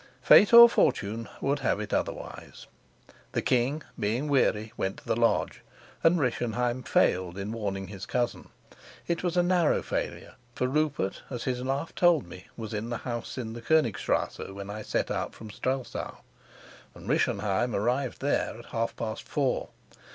Fate or fortune would have it otherwise. The king, being weary, went to the lodge, and Rischenheim failed in warning his cousin. It was a narrow failure, for Rupert, as his laugh told me, was in the house in the Konigstrasse when I set out from Strelsau, and Rischenheim arrived there at half past four.